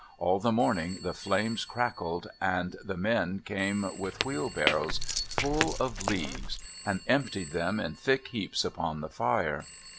All the morning the flames crackled, and men came with wheelbarrows full of leaves and emptied them in thick heaps upon the fire.